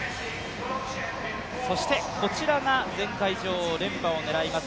こちらが前回女王連覇を狙います